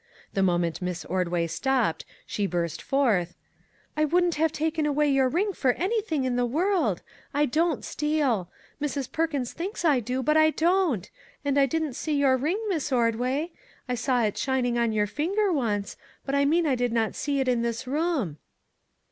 The moment Miss Ordway stopped, she burst forth :" I wouldn't have taken away your ring for anything in the world. I don't steal ; Mrs. Per kins thinks I do, but I don't. And I didn't see your ring, Miss Ordway. I saw it shining on your finger once, but I mean I did not see it in this room."